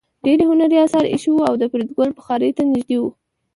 ډېر هنري اثار ایښي وو او فریدګل بخارۍ ته نږدې و